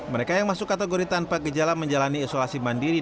mereka yang masuk kategori tanpa gejala menjalani isolasi mandiri